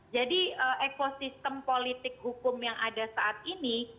jadi ekosistem politik hukum yang ada saat ini